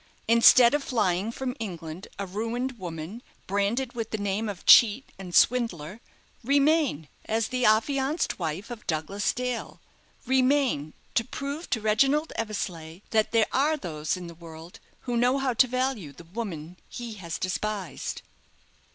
Instead of flying from England, a ruined woman, branded with the name of cheat and swindler, remain as the affianced wife of Douglas Dale remain to prove to Reginald Eversleigh that there are those in the world who know how to value the woman he has despised."